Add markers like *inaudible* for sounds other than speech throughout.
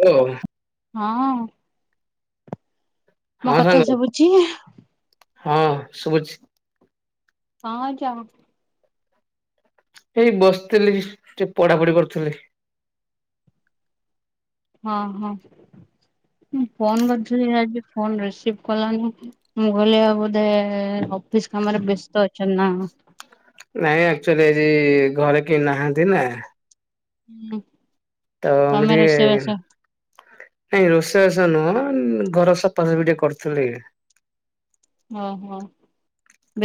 Hello. ହଁ। ମୋ ହଁ କଥା ସାଙ୍ଗ ଶବୁଛି? ହଁ ଶୁଭୁଛି। ହଁ ଯା ଏଇ ବସିଥିଲି ସେ ପଢାପଢି କରୁଥିଲି। ହଁ ହଁ ମୁଁ ଫୋନ୍ କରିଥିଲି ଆଜି ଫୋନ ରିସିଭ କଲାନି। ମୁଁ କହିଲି ବୋଧେ ଅଫିସ କାମରେ ବ୍ୟସ୍ତ ଅଛନ୍ତି ନା କଣ ନାଇଁ ଆଚୁଆଲି ଏ ଘରେ କେହି ନାହାନ୍ତି ନା। ହୁଁ। ତ ତମେ ଆମରି ରୋଷେଇବାସ ନାଇଁ ରୋଷେଇ ରଷ ନୁହଁ ଘର ସଫାସଫି ଟିକେ କରୁଥିଲି। ହଁ ହଁ।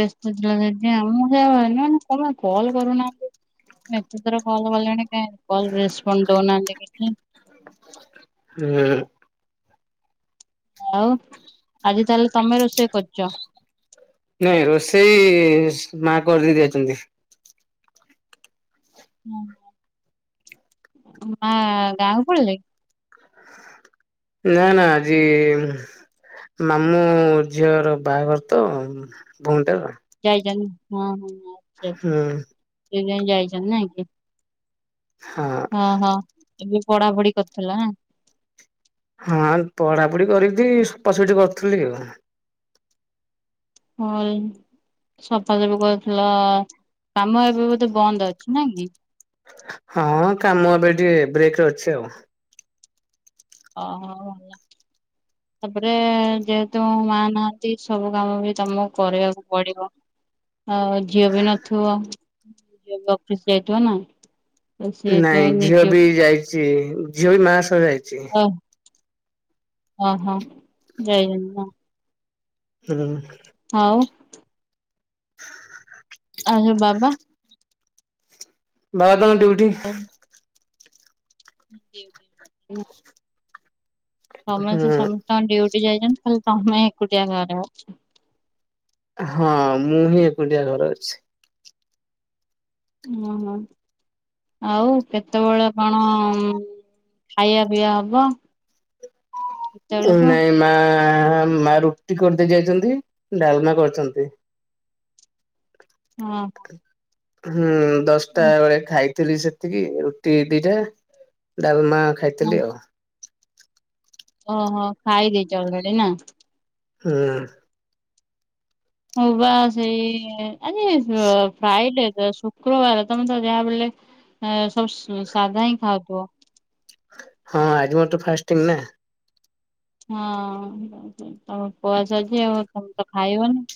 ବ୍ୟସ୍ତ ଥିଲା ସେଦି ମୁଁ ଯି ମାନେ ତେ କଲ୍ କରୁନାହାନ୍ତି। ମୁଁ ଏତେଥର କଲ କଲିଣି କଲ ରେସପଣ୍ଡ ଦଉନାହାନ୍ତି କିଛି ହୁଁ। ଆଉ ଆଜି ତାହେଲେ ତମେ ରୋଷେଇ କରୁଛ? ନାଇଁ ରୋଷେଇ ମା କରିଦେଇ ଯାଇଛନ୍ତି। ମା ଗାଁକୁ ପଳିଲେ? ନା ନା ଆଜି ମାମୁଁ ଝିଅର ବାହାଘର ତ ଭଉଣୀଟାର ଯାଇଛନ୍ତି ହଁ ହଁଛା ହୁଁ ସେଇପାଇଁ ଯାଇଛନ୍ତି ନା ଆଜ୍ଞା ହଁ। ହଁ ହଁ ଏବେ ପଢା ପଢି କରିଥିଲା। ହଁ ପଢାପଢି କରିକି ସଫାସଠି କରିୁଥିଲି ଆଉ। ହଁ ଇ। ସଫାସଫୁ କରୁଥିଲ କାମ ଏବେ ବୋଧେ ବନ୍ଦ ଅଛି ନା କି? ହଁ କାମ ଏବେ ଟିକେ ବ୍ରେକରେ ଅଛି ଆଉ। ଅ ହ। ତାପରେ ଯେହେତୁ ମା ନାହାନ୍ତି ସବୁ କାମ ବି ତମକୁ କରିବାକୁ ପଡିବ। ଆଉ ଝିଅ ବି ନଥିବ ଝିଅ ବି ଅଫିସ ଯାଇଥିବ ନା? ତ ନାଇଁ ସେଇଥିପାଇଁ ଝିଅ ନିଜ ବି ଯାଇଛି ଝିଅ ବି ମା ସହ ଯାଇଛି। ଓ ହୋ ଜୟ ଜଗନନାଥ ହୁଁ। ଆଉ। ଆଉ ଯୋଉ ବାବା ବାବା ତାଙ୍କ ଡ୍ୟୁଟି ଡ୍ୟୁଟି, ସମସ୍ତେ ହୁଁ। ସମସ୍ତେଙ୍କ ଡ୍ୟୁଟି ଯାଇଛନ୍ତି ଖାଲି ତମେ ଏକୁଟିଆ ଘରେ ଅଛ ହଁ ମୁଁ ହିଁ ଏକୁଟିଆ ଘରେ ଅଛି। ଓହୋ ଆଉ କେତେବେଳେ କଣ ଖାଇବା ପିଇଆ ହବ। ଏ କେତେବେଳକୁ ନାଇଁ ମା ମା ରୁଟି କରିଦେଇ ଯାଇଚନ୍ତି ଡ଼ାଲମା କରିଚନ୍ତି। ଅଁ ହଁ। ହୁଁ ଦଶଟା ବେଳେ ଖାଇ ଥିଲି ସେତିକି ରୁଟି ଦିଟା ଡ଼ାଲମା ହଁ ଖାଇଥିଲି ଆଉ। ଓହୋ ଖାଇଦେଇଚ ଅଲେଡ଼ି ନାଁ। ହୁଁ। ମୁଁ ବା ସେଇ ଆଜି ଫ୍ରାଇଡେ ତ ସୁକୁ ଶୁକ୍ରବାର ତମେତ ଯାହାବିହେଲେ ଅ ସବୁ ସାଧା ହିଁ ଖାଉଥିବ? ହଁ ଆଜି ମୋରତ ଫାଷ୍ଟିଂ ନା। ହଁ ତମ ଉପବାସ ଅଛି ଆଉ ତମେ ତ ଖାଇବନି।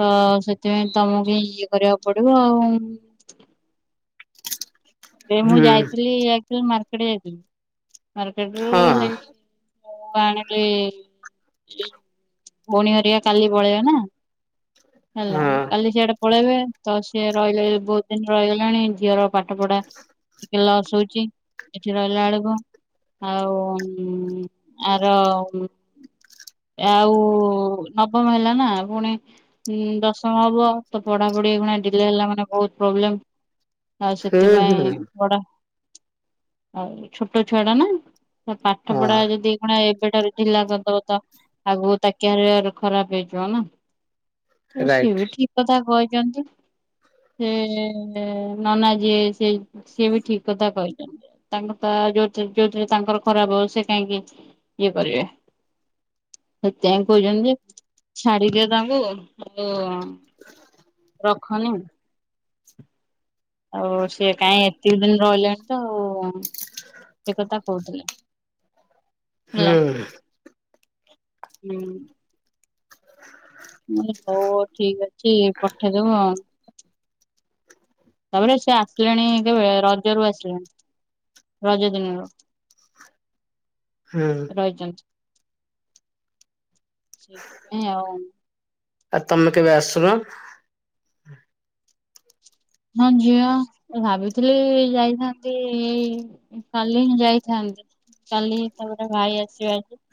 ତ ସେଥିପାଇଁ ତମକୁ ଇଏ କରିବାକୁ ପଡ଼ିବ ଆଉ। ଏ ମୁଁ ହୁଁ ଯାଇଥିଲି ଆକ୍ଚୁଲି ମାର୍କେଟ ଯାଇଥିଲି ମାର୍କେଟ ରୁ ହଁ ମୁଁ ଆଣିଲି ଘି ଭଉଣୀ ହରିଆ କାଲି ପଳେଇବା ନା ହେଲା ହଁ କାଲି ସେଆଡ଼େ ପଳେଇବେ ତ ସିଏ ରହିଲେ ବହୁତ୍ ଦିନି ରହିଗଲାଣି ଝିଅର ପାଠ ପଢା ଟିକେ ଲସ୍ ହଉଚି ଏଠି ରହିଲା ବେଳକୁ। ଆଉ ଆର ଆଉ କୁ ନବମ ହେଲାନା ପୁଣି ଉଁ ଦଶମ ହବ ତ ପଢ଼ାପଢିଣା ଡିଲେ ହେଲା ମାନେ ବହୁତ ପ୍ରୋବ୍ଲେମ୍। ଆଉ ହୁଁ ହୁଁ। ସେଥିପାଇଁ ବଡ଼ ଆଉ ଛୋଟ ଛୁଆ ଟା ନା। ତ ପାଠ ପଢା ହଁ ଯଦି ଏଉଖୁଣା ଏବେଠାରୁ ଡ଼ିଲା କରିଦବ ତ ଆଗକୁ ତା କ୍ୟାରିୟର ଖରାପ୍ ହେଇଯିବ ନା ରାଇଟ୍ ସିଏବି ଠିକ୍ କଥା କହିଚନ୍ତି। ଏ ନନା ଯିଏ ସେ ସିଏବି ଠିକ୍ କଥା କହିଚନ୍ତି। ତାଙ୍କ ତା *unintelligible* ତାଙ୍କର ଖରାପ୍ ହଉ ସେ କାହିଁକି ଇଏ କରିବେ। ଦିଆଙ୍କେ କହୁଛନ୍ତି ଯେ ଛାଡିଦିଅ ତାଙ୍କୁ ଆଉ ର ଖନି ଆଉ ସିଏ କାଇଁ ଏତିକି ଦିନି ରହିଲାଣି ତ ଆଉ ସେ କଥା କହୁଥିଲେ। ହେଲା ହୁଁ ହୁଁ। ମୁଁ କହିଲି ହୋଉ ଠିକ୍ ଅଛି ପଠେଇଦବୁ ଆ। ତାପରେ ସେ ଆସିଲେଣି କେବେ ରଜରୁ ଆସିଲେଣି ରଜ ଦିନରୁ ହୁଁ। ରହିଚନ୍ତି ସେଇଥିପାଇଁ ଆଉ ଆ ତମେ କେବେ ଆସୁନ। ହଁ ଯିବା ଭାବିଥିଲି ଯାଇଥାନ୍ତି ଏଇ କାଲି ହିଁ ଯାଇଥାନ୍ତି କାଲି ହିଁ ତାପରେ ଭାଇ ଆସିବ ଆଜି।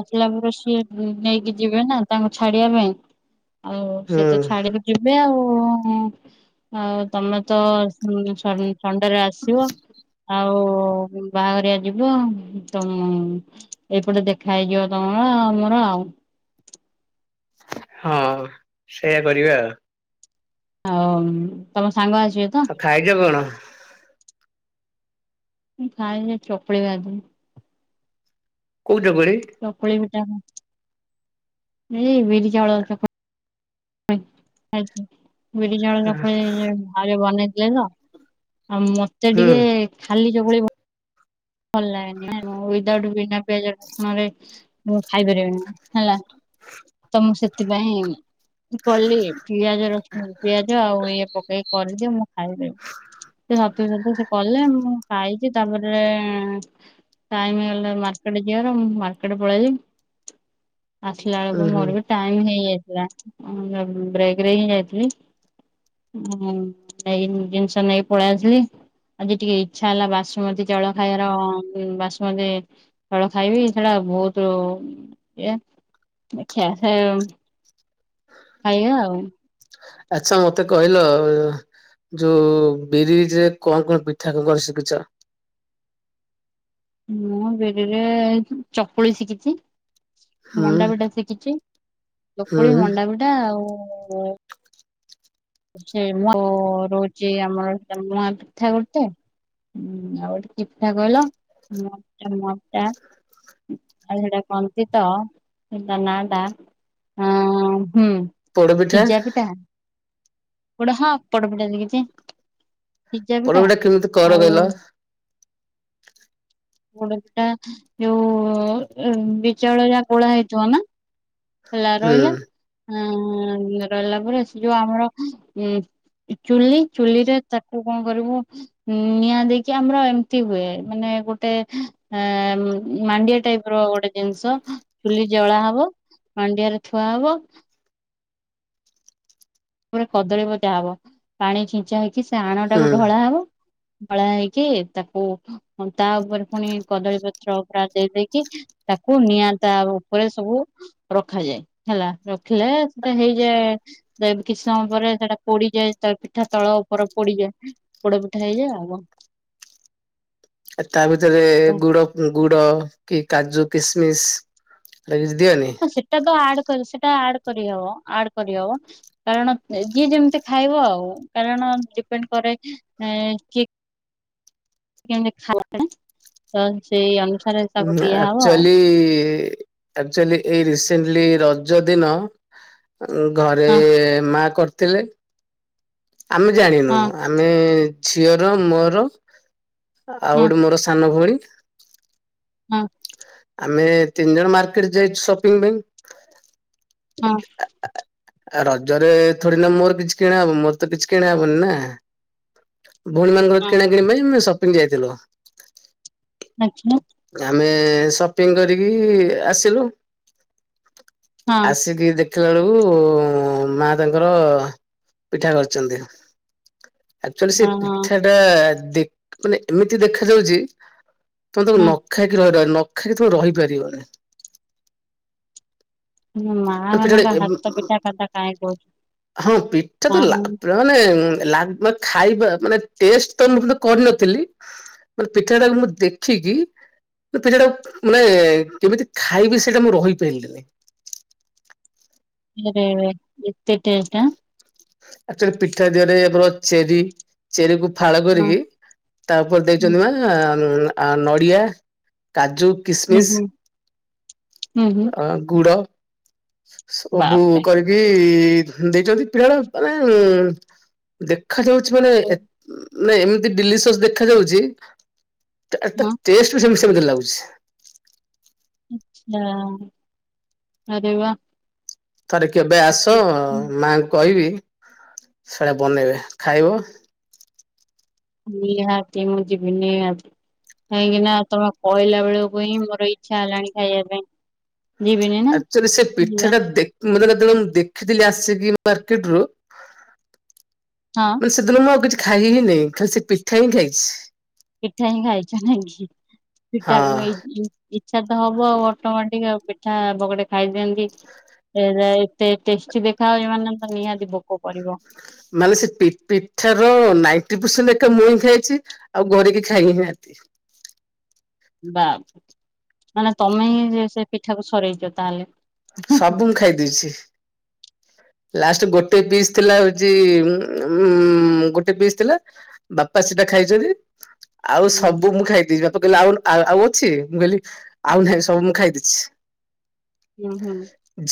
ଆସିଲା ପରେ ସିଏ ନେଇକି ଯିବେ ନା ତାଙ୍କୁ ଛାଡ଼ିବା ପାଇଁ। ଆଉ ହୁଁ ସେତ ଛାଡ଼ିକି ଯିବେ ଆଉ। ଆଉ ତମେତ ସ ସଣ୍ଡେରେ ଆସିବ। ଆଉ ବାହାଘରିଆ ଯିବ ତମ ଏଇପଟେ ଦେଖା ହେଇଯିବ ତମର ଆମର ଆଉ। ହଁ ସେଇୟା କରିବା ଆଉ। ଆଉ ତମ ସାଙ୍ଗ ଆସିବେ ତ? ଆଉ ଖାଇଛ କଣ? ଖାଇନି ଚୋକୁଳି ଖାଇଥିନି। କୋଉ ଚକୁଳି? ଚକୁଳି ପିଠା ଏଇ ବିରି ଚାଉଳ ଚକୁ ଖାଇଚି ବିରି ଚାଉଳ ଯୋଉ। ଆଜି ବନେଇଥିଲେ ତ ଆଉ ମତେ ହୁଁ ଟିକେ ଖାଲି ଚକୁଳି ଭ ଭଲ ଲାଗେନି ମୁଁ ୱଦାଉଟ୍ ବିନା ପିଆଜ ରସୁଣ ରେ ମୁଁ ଖାଇପାରିବିନି ହେଲା। *inaudible* ତମ ସେଥିପାଇଁ କଲି ପିଆଜ ରସୁଣ ପିଆଜ ଆଉ ଇଏ ପକେଇକି କରିଦିଅ ମୁଁ ଖାଇଦବି। ସେ ସତ ସତ ସେ କଲେ ମୁଁ ଖାଇଛି ତାପରେ କାଇମ ହେଲା ମାର୍କେଟ ଯିବାର ମାର୍କେଟେ ପଳେଇିଲି। ଆସିଲା ବେଳକୁ ହୁଁ ହୁଁ ମୋର ବି ଟାଇମି ହେଇାଇଥିଲା ମୁଁ ବ୍ରେକ୍ ରେ ହିଁ ଯାଇଥିଲି। ହଁ ଜିନିଷ ନେଇ ପଳେଇଆସିଲି। ଆଜି ଟିକେ ଇଛା ହେଲା ବାସୁମତୀ ଚାଉଳ ଖାଇବାର ବାସୁମତୀ ଚାଉଳ ଖାଇବି ସେଟା ବହୁତ ଇଏ ଆଚ୍ଛା ସେ ଖାଇବା ଆଉ ଆଚ୍ଛା ମତେ କହିଲ। ଯୋଉ ବିରିରେ କଣ କଣ ପିଠା କଣ କଣ ଶିଖିଛ? ମୁଁ ବିରିରେ ଚକୁଳି ଶିଖିଛି। ହୁଁ ମଣ୍ଡା ପିଠା ଶିଖିଛି ଚକୁଳି ହୁଁ ମଣ୍ଡା ପିଠା ଆଉ ଉଉଁ ସେ ମୁଁ ରହୁଛି ଆମର ମ ପିଠା ଗୋଟେ। ହୁଁ ଆଉ ଗୋଟେ ପିଠା କହିଲ ମୋଟା ମୋଟା ଆଉ ସେଟା କନ୍ତିତ ସେଟ ନା ଟା ହଁ ହୁଁ ପୋଡ଼ ପିଠା ପୋଡ଼ ହଁ ପୋଡ଼ ପିଠା ସିକିଛି। ପୋଡ଼ ପିଠା କେମିତି କର? ଆଉ କହିଲ ପୋଡ଼ପିଠା ଯୋଉ ବିଚାଉଳ ଯାକ ଗୋଲା ହେଇଥିବ ନା ଖଲା ହୁଁ ରହିଲା ଆ ରହିଲା ପରେ ସେ ଯୋଉ ଆମର ଉ ଚୁଲି ଚୁଲି ରେ ତାକୁ କଣ କରିବ ଉଉଁ ନିଆଁ ଦେଇକି ଆମର ଏମିତି ହୁଏ ମାନେ ଗୋଟେ ଆ ମାଣ୍ଡିଆ ଟାଇପ ର ଗୋଟେ ଜିନିଷ ଚୁଲି ଜଳା ହବ ମାଣ୍ଡିଆରେ ଥୁଆ ହବ। ରେ କଦଳୀ ବଜା ହବ ପାଣି ଛିଞ୍ଚା ହେଇକି ସେ ଆଣ ହୁଁ ଟାକୁ ଢଳା ହବ। ଧଳା ହେଇକି ତାକୁ ତା ଉପରେ ପୁଣି କଦଳୀ ପତ୍ର ପୁରା ଦେଇ ଦେଇେଇକି। ତାକୁ ନିଆଁ ତା ଉପରେ ସବୁ ରଖାଯାଏ ହେଲା ରଖିଲେ ସେଟା ହେଇଯାଏ। କିଛି ସମୟ ପରେ ସେଟା ପୋଡିଯାଏ, ପିଠା ତଳ ଉପରେ ପୋଡିଯାଏ ପୋଡ ପିଠା ହେଇଯାଏ ଆଉ କଣ ତା ଭିତରେ ଗୁଡ ଗୁଡ କି କାଜୁ କିସମିସ ହେରା କିଛି ଦିଅନି? କଣ ସେଟା ତ ଆଡ ସେଟା ଆଡ କରିହବ ଆଡ କରିହବ। କାରଣ ଯିଏ ଯେମିତି ଖାଇବ ଆଉ କାରଣ ଡିପେଣ୍ଡ କରେ କିଏ କେମତି ଖାଇ ତ ସେଇ ଅନୁ ଆକ୍ଚୁଆଲି ଆଚୁଆଲି ଏଇ ରିସେଣ୍ଟଲି ରଜ ଦିନ ଘରେ ହଁ ମା କରିଥିଲେ ଆମେ ଜାଣି ହଁ ଆମେ ଝିଅର ମୋର ଆଉ ହଁ ଗୋଟେ ମୋର ସାନ ଭଉଣୀ। ହଁ ଆମେ ତିନି ଜଣ ମାର୍କେଟ ଯାଇଛୁ ସପିଙ୍ଗ ପାଇଁ। ହଁ *inaudible* ଆଉ ରଜରେ ଥଡି ନା ମୋର କିଛି କିଣାହବ ମୋର ତ କିଛି କିଣାହବନି ନା। ଭଉଣୀ ମାନଙ୍କର ହଁ କିଣା କିଣି ପାଇଁ ସପିଙ୍ଗ ଯାଇଥିଲୁ। ଆଛା ଆମେ ସପିଙ୍ଗ କରିକି ଆସିଲୁ। ହଁ ଆସିକି ଦେଖ ଖିଲା ବେଳକୁ ମା ତାଙ୍କର ପିଠା କରିଛନ୍ତି। ଆକ୍ଚୁଆଲି ସେ ହଁ ହଁ ପିଠା ଟା ଦେଖ ମାନେ ଏମିତି ଦେଖାଯାଉଛି। ତମେ ତାକୁ ହଁ ନଖାଇକି ରହିବ ନଖାଇକି ତମେ ରହିପାରିବ ନାଇଁ। ତୁମ ମାଆ ମାନଙ୍କ ହାତ ପିଠା କଥା କାଇଁ କହୁଛୁ। ହଁ ପିଠା ମା ତ ଲା *unintelligible* ମାନେ ଉଁ ଲା ମା ଖାଇବା ମାନେ ଟେଷ୍ଟ ତ ମୁଁ କରିନଥିଲି। ମାନେ ପିଠାଟାକୁ ମୁଁ ଦେଖିକି *unintelligible* ମାନେ କେମିତି ଖାଇବି ସେଇଟା ମୁଁ ରହିପାରିଲି ନି। ଆରେ ଏତେ ଚେଷ୍ଟା। ଆକଚ୍ୟୁଆଲି ପିଠା ଦିହରେ ଆମର ଚେରି, ଚେରି କୁ ଫାଳ ଆଁ କରିକି ତା ଉପରେ ହଁ ଦେଇଛନ୍ତି ମା। ଅଁ ଉଁ ଆ ନଡ଼ିଆ, କାଜୁ। ହୁଁ କିସମିସ୍ ହୁଁ ହୁଁ। ଅ ଗୁଡ ସ ସବୁ ବାପରେ କରି ଏଇ ଦେଇଛନ୍ତି ପିଲାବେଳ ମାନେ ଉଁ ଦେଖାଯାଉଛି ମାନେ ହଁ ଏତ ଉଁ ନାଇଁ ଏମିତି ଡିଲିସିଅସ ଦେଖାଯାଉଛି, ଅ ତାର ଟେଷ୍ଟ ସେମ ସେମ ସେମିତି ଲାଗୁଛି। ଆଚ୍ଛା। ଆରେ ବାହ। ଥରେ କେବେ ଆସ ମାଆଙ୍କୁ କହିବି ସେଇଟା ବନେଇବେ ଖାଇବ। ନିହାତି ମୁଁ ଯିବି ନିହାତି। କାହିଁକି ନା ତମେ କହିଲା ବେଳକୁ ହିଁ ମୋର ଇଚ୍ଛା ହେଲାଣି ଖାଇବା ପାଇଁ। ଯିବିନି ନା ଆକଚ୍ୟୁଆଲି ସେ ଯିବା ପିଠାଟା ଦେଖ ମାନେ ଯେତେବେଳେ ମୁଁ ଦେଖିଥିଲି ଆସିକି ମାର୍କେଟ ରୁ ହଁ। ମାନେ ସେଦିନ ମୁଁ ଆଉ କିଛି ଖାଇ ହିଁ ନାହିଁ। ଖାଲି ସେ ପିଠା ହିଁ ଖାଇଛି। ପିଠା ହିଁ ଖାଇଛ ନାଇଁ କି, ପିଠା ହଁ ଖୁଆଇକି। ଇଚ୍ଛା ତ ହବ ଅଟୋମଟିକ ଆଉ ପିଠା ବଗଡେ ଖାଇଦିଅନ୍ତି। ଏ ଏତେ ଟେଷ୍ଟି ଦେଖା ହୁଏ ମାନେ ତ ନିହାତି ଭୋକ କରିବ। ମାନେ ସେ ପି ପିଠାର ନାଇନଟି ପରସେଣ୍ଟ ଏକା ମୁଇଁ ଖାଇଛି। ଆଉ ଘରେ କିଏ ଖାଇ ନିହାନ୍ତି। ବା, ମାନେ ତମେ ହିଁ ସେ ସେ ପିଠାକୁ ସରେଇଛ ତାହେଲେ। ସବୁ ମୁଁ ଖାଇଦେଇଛି। ଲାଷ୍ଟ ଗୋଟେ ପିସ୍ ଥିଲା ହଉଛି ଉଁ ଗୋଟେ ପିସ୍ ଥିଲା। ବାପା ସେଟା ଖାଇଛନ୍ତି। ଆଉ ହୁଁ ସବୁ ମୁଁ ଖାଇଦେଇଛି। ବାପା କହିଲେ ଆଉ ଆଉ ଆଉ ଅଛି। ମୁଁ କହିଲି ଆଉ ହୁଁ ନାହିଁ, ସବୁ ମୁଁ ଖାଇଦେଇଛି। ଉଁ ହୁଁ।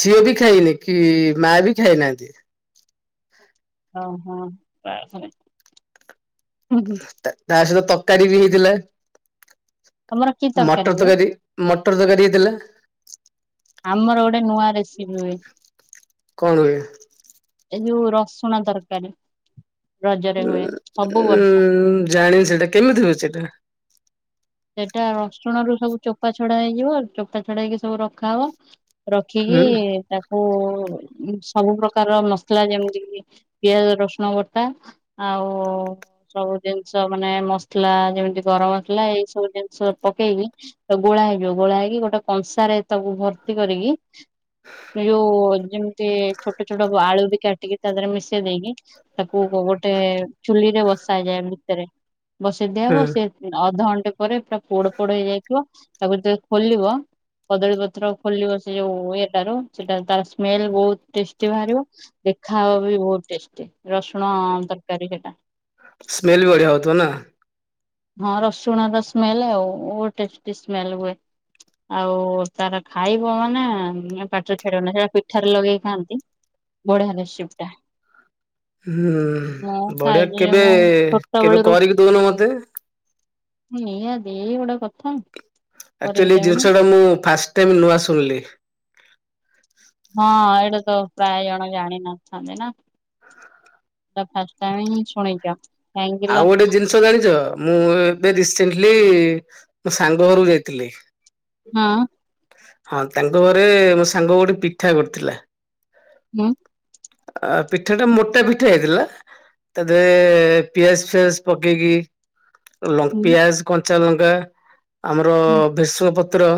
ଝିଅ ବି ଖାଇନି କି ମା ବି ଖାଇନାହାନ୍ତି। ଅଁ ହଁ। ବାପରେ। ହୁଁ ତା ତା ସହିତ ତରକାରୀ ବି ହେଇଥିଲା, ତମର କି ମଟର ହୁଏ? ତରକାରୀ। ମଟର ତରକାରୀ ହେଇଥିଲା। ଆମର ଗୋଟେ ନୂଆ ରେସିପି ହୁଏ। କଣ ହୁଏ? ଏ ଯୋଉ ରସୁଣ ତରକାରୀ, ରଜରେ ହୁଏ ସବୁ ବର୍ଷ। ଉଁ ଜାଣିନି ସେଇଟା, କେମିତି ହୁଏ ସେଇଟା? ସେଟା ରସୁଣ ରୁ ସବୁ ଚୋପା ଛଡା ହେଇଯିବ। ଚୋପା ଛଡା ହେଇକି ସବୁ ରଖା ହବ। ରଖିକି ହୁଁ ତାକ ଓ ଉଁ ସବୁ ପ୍ରକାର ମସଲା ଯେମିତି କି ପିଆଜ ରସୁଣ ବଟା ଆଉ ସବୁ ଜିନିଷ ମାନେ ମସଲା ଯେମିତି ଗରମ ଥିଲା ଏଇ ସବୁ ଜିନିଷ ପକେଇକି ତ ଗୋଳା ହେଇଯିବ ଗୋଳା ହେଇକି ଗୋଟେ କଂସାରେ ତାକୁ ଭର୍ତ୍ତି କରିକି ଯୋଉ ଯେମିତି କି ଛୋଟ ଛୋଟ ଆଳୁ ବି କାଟିକି ତା ଦେହରେ ମିଶେଇ ଦେଇକି ତାକୁ ଗୋ ଗୋଟେ ଚୁଲି ରେ ବସାଯାଏ ଭିତରେ। ବସେଇ ହୁଁ ଦିଆହବ ସେ ଅଧ ଘଣ୍ଟେ ପରେ ପୁରା ପୋଡ଼ ପୋଡ଼ ହେଇଯାଇଥିବ ତାକୁ ଯେତେଳେ ଖୋଲିବ କଦଳୀ ପତ୍ର ଖୋଲିବ ସେ ଯୋଉ ଇଟାରୁ ସେଟା ତାର ସ୍ମେଲ୍ ବୋହୁତ୍ ଟେଷ୍ଟି ଭାରିବ। ଦେଖାହବ ବି ବହୁତ ଟେଷ୍ଟି ରସୁଣ ତରକାରୀ ହେଟା। ସ୍ମେଲ୍ ବି ବଢ଼ିଆ ହୋଉଥୁବ ନା? ହଁ ରସୁଣର ସ୍ମେଲ୍ ଆଉ ଓ ଟେଷ୍ଟି ସ୍ମେଲ୍ ହୁଏ। ଆଉ ତାର ଖାଇବ ମାନେ ଏ ପାଟିରୁ ଛାଡ଼ିବନେଇ ସେଟା ପିଠାରେ ଲଗେଇ ଖାଆନ୍ତି। ବଢ଼ିଆ ରେଶିପ୍ ଟା। ମୁଁ ହୁଁ ବଢ଼ିଆ ଖାଇନି ଯେ କେବେ ମୁଁ ଛୋଟ କେବେ ବେଳରୁ କରିକି ଦୋଉନୁ ମତେ। ନିହାତି ଏ ଗୋଟେ କଥା? କରିକି ଆକ୍ଚୁଆଲି ଏ ଦେଉନୁ ଜିନଷଟା ମୁଁ ଫାଷ୍ଟ ଟାଇମ୍ ନୂଆ ଶୁଣଲି। ହଁ ଏଇଟା ତ ପ୍ରାୟ ଜଣ ଜାଣିିନଥାନ୍ତି ନାଁ। ତ ଫାର୍ଷ୍ଟ୍ ଟାଇମ୍ ହିଁ ଶୁଣିଚ। ଆଉ ଗୋଟେ ଜିନିଷ ଜାଣିଚ ମୁଁ ଏବେ ରିସେଣ୍ଟଲି ମୋ ସାଙ୍ଗ ଘରୁକୁ ଯାଇଥିଲି। ହଁ। ହଁ ତାଙ୍କ ଘରେ ମୋ ସାଙ୍ଗ ଗୋଟେ ପିଠା କରିଥିଲା। ହୁଁ। ଅ ପିଠାଟା ମୋଟା ପିଠା ହେଇଥିଲା ତା ଦେ ପିଆଜ୍ ଫିଆଜ୍ ପକେଇକି ଲ ହୁଁ ପିଆଜ କଞ୍ଚା ଲଙ୍କା ଆମର ଭେଷୁଙ୍ଗା ପତ୍ର।